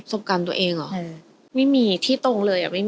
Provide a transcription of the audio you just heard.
ประสบการณ์ตัวเองหรอไม่มีที่ตรงเลย